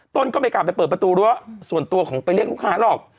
ต้นก็ไม่กลับไปเปิดประตูรั้วส่วนตัวของไปเรียกลูกค้าหรอก